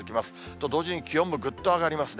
と同時に気温もぐっと上がりますね。